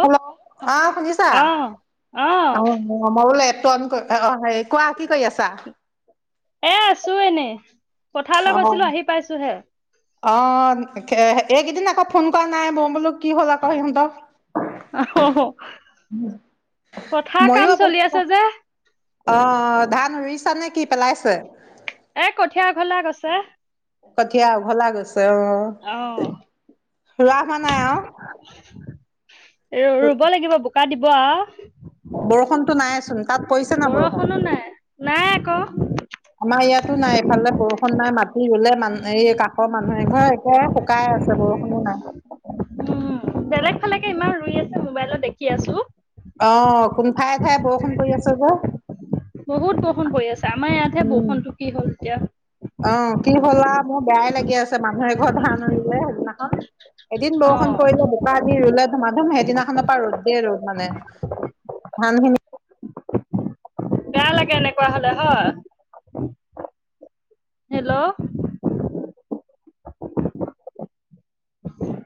Hello, অ, শুনিছা? অ অ, মই বোলে এপটো অন কৰি অ, কোৱা কি কৰি আছা? এ আছো এনেই অ পথাৰলৈ গৈছিলো আহি পাইছোহে। অ, এইকেইদিন আকৌ ফোন কৰা নাই মই বোলো কি হ'ল আকৌ সিহতৰ। অ, পথাৰ মইয়ো কাম চলি অৱস্থা আছে যে। অ, ধান ৰুইছা নে কি পেলাইছে। এ কঠীয়া উঘলা গৈছে। কঠীয়া উঘলা গৈছে অ অ ৰোৱা হোৱা নাই আৰু। ৰুব লাগিব বোকা দিব আৰু। বৰষুণতটো নাইচোন তাত পৰিছে না বৰষুণ। ক আমাৰ ইয়াতো নাই এইফালে বৰষুন নাই মাটি ৰুলে মান এই কাষৰ মানুহ এঘৰ একে শুকাই আছে। বৰষুণো নাই উম,। বেলেগ ফালেকে ইমান ৰুই আছে মোবাইলত দেখি আছো অহ, কোন ঠায়ে - ঠায়ে বৰষুণ কৰি আছে যে। বহুত বৰষুণ পৰি আছে আমাৰ ইয়াতহে উম, বৰষুণটো কি হ'ল এতিয়া অ, কি হ'লা মোৰ বেয়াই লাগিল। আছে মানুহ এঘৰৰ ধান ৰুলে সেইদিনা। এদিন অ বৰষুণ পৰিলে বোকা দি ৰুলে ধুমা ধুম সেইদিনাখনৰ পৰা ৰ'দে - ৰ'দ মানে। ধানখিনি বেয়া লাগে এনেকুৱা হলে হয় হেল্ল',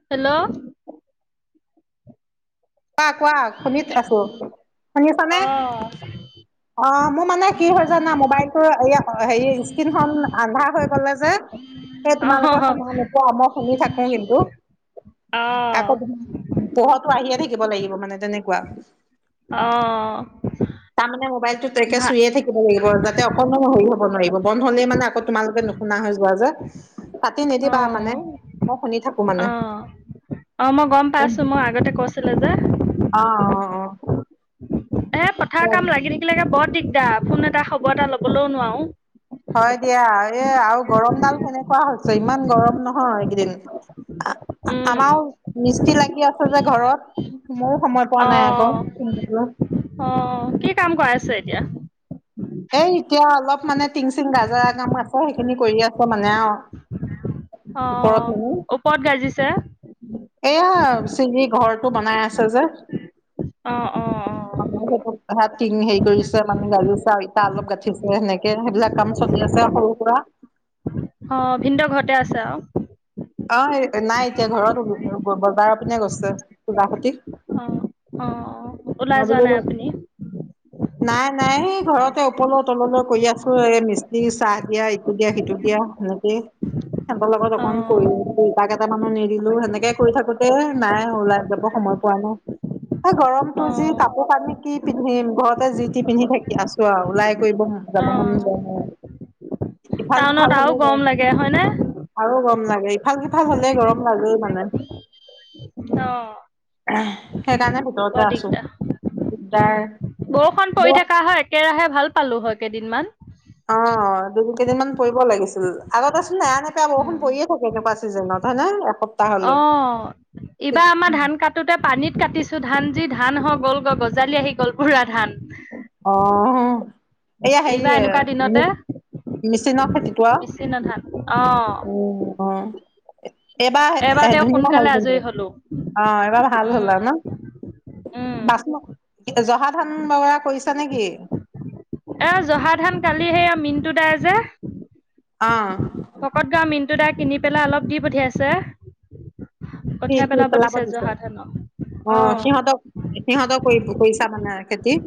হেল্ল', কোৱা - কোৱা শুনি আছো। শুনিছানে? অ অ, মোৰ মানে কি হয় জানা মোবাইলটো হেৰি স্ক্ৰীণখন আন্ধাৰ হৈ গলে যে। সেই তোমালোকে শুনা নোপোৱা মই শুনি থাকো কিন্তু। অ আকৌ পোহৰতো আহিয়ে থাকিব লাগিব মানে তেনেকুৱা। অ', মানে মোবাইলটোত একে ভা চুইয়ে থাকিব লাগিব যাতে অকণমানো হেৰি হব নোৱাৰিব বন্ধ হলেই মানে তোমালোকে নুশুনা হৈ যোৱা যে কাটি অ নিদিবা মানে। শুনি থাকো মানে অ - অ মই গম পাইছো মোক আগতে কৈছিলে যে। অ - অ - অ। এ পথাৰ কাম লাগি থাকিলেকে বৰ দিগদাৰ ফোন এটা খবৰ এটা লবলৈও নোৱাৰো। হয় দিয়া এই আৰু গৰম ডাল কেনেকুৱা হৈছে। ইমান গৰম নহয় এইকেইদিন। উম আমাৰ মিস্ত্ৰী লাগি আছে যে ঘৰত ময়ো সময় পোৱা অ নাই আকৌ। অ কি কাম কৰা আছে এতিয়া। এ এতিয়া অলপ মানে টিং চিং গজাৰা কাম আছে সেইখিনি কৰি আছে মানে আৰু। অ, ওপৰত মানে ওপৰত গাজিছে। এয়া চিজি ঘৰটো বনাই আছে যে। অ অ অ [unintelligible] তাহাত টিং হেৰি কৰিছে মানে গাজিছে আৰু ইতা অলপ গাঠিছে সেনেকে সেইবিলাক কাম চলি আছে সৰু সুৰা। [inaudible] অ, ভিনদেউ ঘৰতে আছে আৰু। অ, নাই এতিয়া ঘৰত বজাৰৰ পিনে গৈছে খুৰাহতি। অ - অ - অ ওলাই যোৱা নাই বোলো আপুনি। নাই - নাই ঘৰতে ওপৰৰ তললৈ কৰি আছো এ মিস্ত্ৰী চাহ দিয়া ইটো দিয়া সিটো দিয়া। সেনেকে চবৰ লগত অ অকণ [unintelligible] পাক এটা মান নি দিলো সেনেকে কৰি থাকোতে নাই ওলাই যাব সময় পোৱা নাই। এই গৰমতটো অ যি কাপোৰ কানি কি পিন্ধিম ঘৰতে যিতি পিন্ধি থাকি আছো আৰু ওলাই কৰিব যাব অ মন যোৱা নাই, ইফাল সিফাল টাউনত আৰু হ'লে গ গৰম লাগে হয়নে আৰু লাগে ইফাল সিফাল হ'লে গৰম লাগেই মানে। অ সেইকাৰণে বৰ দিগদাৰ। বা উম [unintelligible] বৰষুণ পৰি থকা হয় একেৰাহে ভাল পালো হয় কেইদিনমান। অঁ। দুই কেইদিন মান পৰিব লাগিছিল আগত আছিল নেৰানেপেৰা বৰষুণ পৰিয়ে থাকে এনেকুৱা চিজনত হয় নে। অ এইবাৰ আমাৰ ধান কাটোতে পানীত কাতিছোঁ ধান যি ধান হ গ'ল গ গজালি আহি গ'ল বুঢ়া ধান। অঁ, এয়া হেৰি এইবাৰ এনেকুৱা দিনতে মোক মিচিন খেতি কৰা বেছি নধান অ উ অ। এইবাৰ এবাৰ তেওঁ [unintelligible] সোনকালে হ'ল আজৰি কিন্তু হলো অ এইবাৰ ভাল উম হল আৰু ন? উম বাচ জহা ধান [unintelligible] কৰিছা নেকি? এ জহা ধান কালি সেইয়া মিনটো দা যে, অঁ। ভকত গাওৰ মিনটো দাই কিনি পেলাই অলপ দি পঠিয়াইছে। কি কঠিয়াই কি পেলাব দিছে জহা ধানৰ অ সিহঁতক সিহঁতক কৰিব কৰিছা মানে খেতি?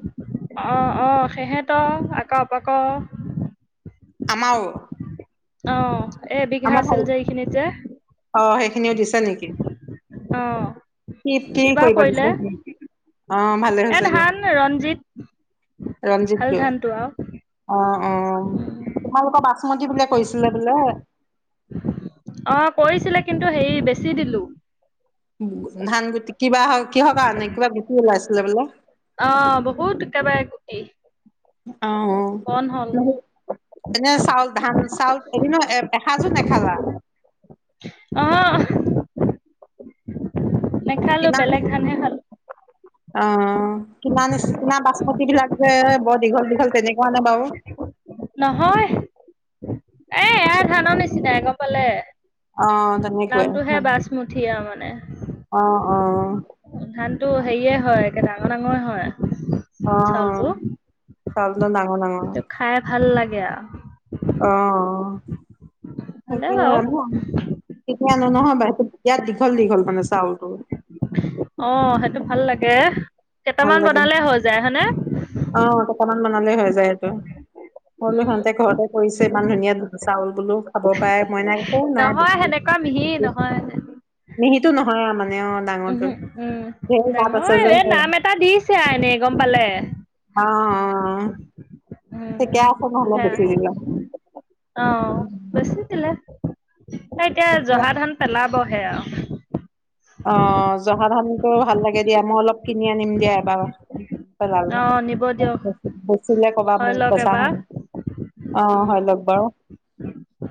অ অ হেহেতৰ আকৌ বাকো। আমাও। অ এ বিঘা আছিল যে এইখিনিত যে। অ সেইখিনিও দিছে নেকি অ', কি কি এইবাৰ কৰিব দিছে কৰিলে সেইখিনি? এ ধান ৰঞ্জিত। ভাল ৰঞ্জিতটো ধানটো আৰু অ অ তোমালোকৰ পাচ [unintelligible] বুলিয় কৈছিলে বোলে। অ কৰিছিলে কিন্তু হেৰি বেছি দিলো। ধান গুটি কিবা কিহৰ কাৰণে কিবা গুটি ওলাইছিলে বোলে? অ বহুত একেবাৰে গুটি। আহ অ বন হ'ল [unintelligible] এনে চাউল ধান চাউল এদিনো এ এসাঁজো নেখালা? অ। নেখালো কিনা বেলেগ ধানহে খালো। অ কিনা নে কিনা বাচমতি [unintelligible] সিবিলাক যে বৰ দীঘল দীঘল তেনেকুৱা নে বাৰু? নহয় এ ইাৰ ধানৰ নিচিনাই গ পালে। অ নামটো তেনেকুৱাই হে বাচমতীয়া মানে। অ অ ধানতটো হেৰিয়ে হয় একে ডাঙৰ ডাঙৰে হয়। অ চাউলটো চাল ন ন [unintelligible] অ ডাঙৰ ত খাই ভাল লাগে আৰু অ। ভালে তাকে বাৰু আনো কেতিয়া আনো নহয় ব বিয়াত দীঘল দীঘল মানে চাউলটো। অ সেইটো ভাল লাগে। ভাল কেইটামান লাগে বনালে হৈ যায় হনেে? [unintelligible] সলো সিহতে ঘৰতে কৰিছে ইমান ধুনীয়া চাউল বোলো খাব পাৰে মই নাই একো নাই নহয় বেছি সেনেকুৱা মিহি নহয় যে। মিহিো নহয় মানে অ উহু, ডাঙৰটো ধেৰ গাত আছে যে হ দিছো এনেই গম পালে অ ঠিকে উম আছে নহ'লে হে বেছি দিলে অ বছি এতিয়া জহা ধান পেলাবহে আৰু অ জহা ধান টো ভাল লাগে দিয়া মই অলপ কিনি আনিম দিয়া এবাৰাল অ', নিব দিয়ক বচিলে কবা হৈ মোক লওক বচা এবাৰ। শুন আহ উম, হয় লাগা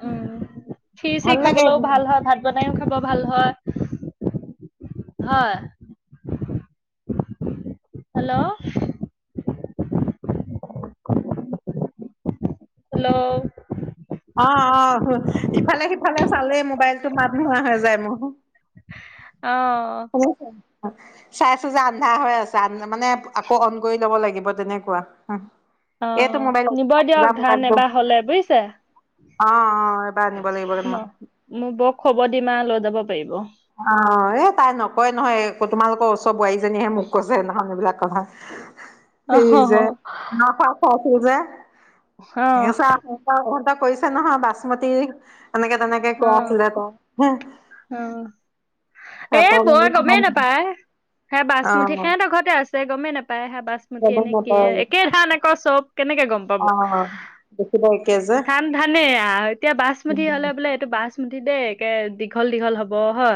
উম খি চি খাবলৈও ভাল হয় ভাত বনাইও খাব ভাল হয় হয় হেল্ল' হেল্ল' অ অ ইফালে সিফালে চালেই মোবাইলটো মাত নোহোৱা হৈ যায় মোৰ অ'। অব চাইছো যে আন্ধা হৈ আছে আ মানে আকৌ অন কৰি ল'ব লাগিব তেনেকুৱা অ এইটো মোবাইল নিব দিয়ক ধান মবাইল অ এবাৰ হলে বুজিছে অ এই পনিিব লাগিবা ম মোৰ বৌক খবৰ দিমা লৈ যাব পাৰিব অ এ তাই নকয় নহয় তোমালোকৰ ওচৰ বোৱাৰীজনীহে মোক কৈছে ননাহখন এইবিলাক থা স অহ যে অ ন খোৱা খোৱাছিল যে অ চত সহঁত কৈছো নহয় বাচমত তেনেকে তেনেকে কোৱা আছিলে অ তাৰ এ বৰ গমেই নাপায় সেই অ বাচমুঠিহে ন ঘৰতে আ ছে গমেই নাপায়হা বাছ মুঠিয়ে বেলেগ নে কিিয় মটৰ একে ধানে আকৌ চব কেনেকে গম পাব অ দেখিব একে যে ধান ধান এ এতিয়া বাছমুঠি হলে বোলে এইটো বাছমুঠি দেই একে দীঘল দীঘল হ'ব হয়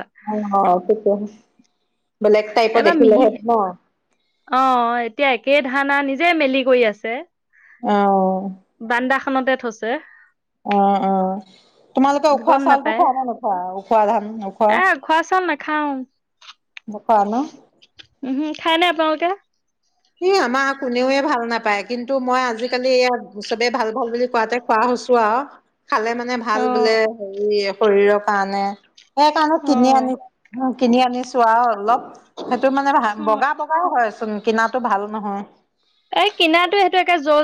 অ িক ব্লেক টাইপ এবাৰ দেখিলে মিহি ন অ এতিয়া একে ধানা নিজে মেলি কৰি আছে আহ বান্দা খনতে থৈছে অ অ তোমালোকে উখোৱা গম চাউলো নাপায় খোৱা না নোখোৱা উখোৱা ধান উওখোৱা খাওঁ দোকান কাওঁতে এ আমাৰ কোনেয়ে ভাল নাপায় কিন্তু মই আজিকালি ইয়াত চবে ভাল ভাল বুলি কোৱাতে খোৱা হয় চোৱা খালে মানে ভাল অ বোলে হে শৰীৰৰ কাৰণে সেই কাৰণে অ কিনি আনি কিনি আনিছো আৰু অলপ সেইটো মানে ভ অ বগা বগা হয়চোন কিনাটো ভাল নহয়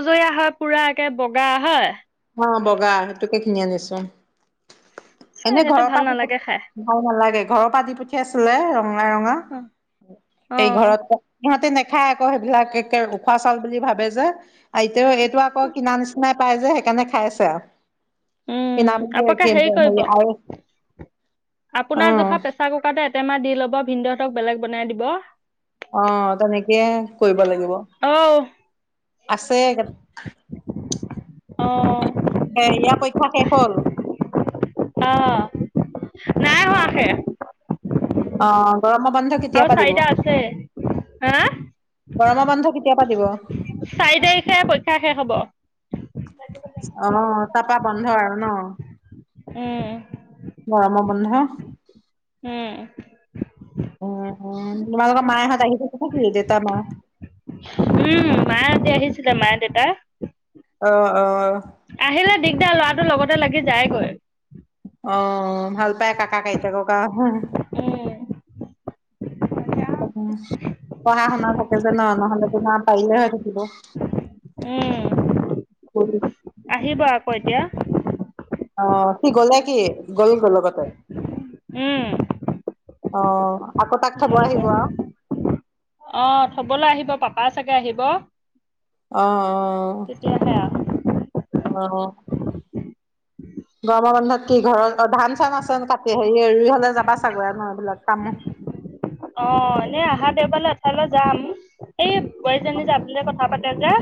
জয়া হয় পুৰা একে বগা হয় অ বগা সেইটোকে কিনি আনিছো এ এনেই সেইটো ঘৰৰ ভাল পৰা আ নালাগে খাই ভ নালাগে ঘৰৰ প আতি পঠিয় আছিলে ৰঙা ৰঙা অ অ এই ঘৰতহতে খাই আকৌ সেইবিলাক উখোৱা চাউল বুলি ভাবে যে আৰু এতিয়াও এইটো আকৌ কিনা নিচিনাই পাই যে সিকাৰণে খাই আছে আৰু উম কিনামি আপোনালোকে কি কৰিব হেৰি আৰু আপোনাৰ অ', জোখা প্ৰেচাৰ কুকাৰতে এটেমাহ দি লব ভিনদ হঁতক বেলেগ বনাই দিব অহ তেনেকেয় কৰিব লাগিব ঔ আছে কে অ ইয়াৰ পৰীক্ষা শেষ হ'ল আহ অ অ গৰম আ চাৰিটা আছে হা গৰমৰ বন্ধ কেতিয়া পা দিব? চাৰি তাৰিখে পৰিক্ষা শেষ হ'ব অ তপা বন্ধ আৰু ন উম গৰমৰ বন্ধ উম উম উম তমালোক মায় হাত আহি থাকে নে কি দেটা মা উম মা হতে আহিছিলে মা দেউতা অ অ আহিলে দিগদাৰ লৰাটোৰ লগতে লাগি যায়গৈ আহ ভাল পায় কাকাক আইতাক হ উম [unintelligible] পঢ়া শুনা থাকে যে ন নহলেতো না পাৰিলে হৈ থাকিব উম আহিব আকৌ এতিয়া অ সি গ'লে কি গ'লো গল লগতে উম অ আকৌ তাক থব আহিব আৰু অ থবলৈ আহিব পাপা চাগে আহিব অঁ অঁ তেতিয়াহে আৰু অ উম গৰমৰ বন্ধত কি ঘৰত অ ধান চান আছে ন কাটি হেৰি ৰি হলে যাবা চাগৈ ম এইবিলাক কাম [inaudible] দেওবালে এঠাইলৈ যাম সেই বোৱাৰীজনী যাবলৈ কথা পাতে যে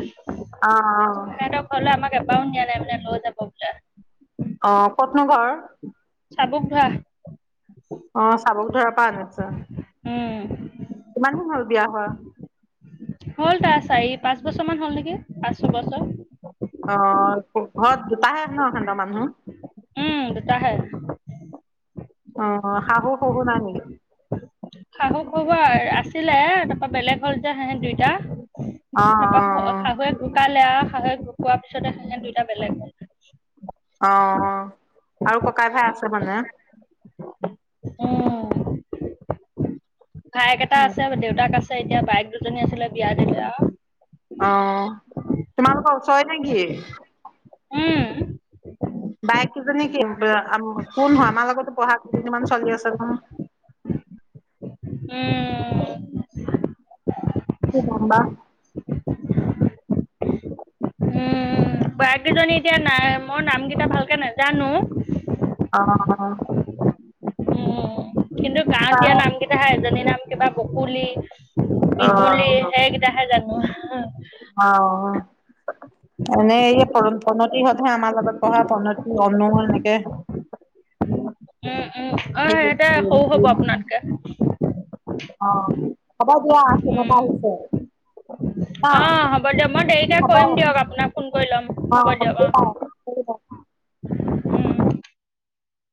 অ অ সিহঁতৰ ঘৰলৈ আমাক লৈ যাব বোলে অ কতনো ঘৰ চাবক ধোৱা অ চাবক ধৰা পা আহিছে উম কিমান দিন হল বিয়া হোৱা হ'ল তাৰ চাৰি পাঁচ বছৰ মান হ'ল নেকি পাঁচ ছয় বছৰ অ ঘৰত দুটা হে ন হেতৰ মানুহ উম দুটা হে অ শাহু শহু নাই নেকি শাহু শহু আছিলে তাৰপৰা বেলেগ হ'ল যে হেহে দুইটা অ অ তাৰাপা শাহুৱে ঢুকালে শাহুৱেক ঢুকোৱা পিছতে সিহঁত দুইতটা বেলেগ হয়। অ আৰু ককাই ভাই আছে মানে উম ভায়েক এটা আছে দেউতাক আছে এতিয়া বাইক দুজনী আছিলে বিয়া দিলে আৰু অ তোমালোকৰ ওচৰে নেকি উম বাই কেইজনী কি কোন আমাৰ লগতো পঢ়া কেইজনীমান চলি আছে ন [inaudible] উম কোনোবা বাইজনী এতিয়া নাই মই নামকেইটা ভালকে নাজানো আহ অ উ কিন্তু গাঁৱত তাৰ দিয়া নামকেইটা হে এজনী নাম কেইটা বকুলি ইমলি অ হেকেইটা হে জানো অ এনেই এই প্ৰণতি সতহে আমাৰ লগত পঢ়া প্ৰণতি অনু এনেকে [inaudible] উম উম অ সেই সহতে সৰু হব আপোনাতকে। হ'বা দিয়া ফোন এতা উম অহিছে। অ হ'ব দিয়ক মই দেৰিকে হব কৰিম দিয়ক ৰাখিছো আপোনাক ফোন কৰি ল'ম দিয়া হ'ব দিয়ক অ ৰাখিছো। [inaudible]